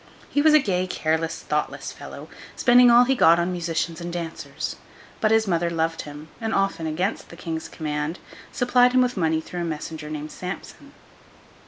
He was a gay, careless, thoughtless fellow, spending all he got on musicians and dancers; but his mother loved him, and often, against the King's command, supplied him with money through a messenger named Samson.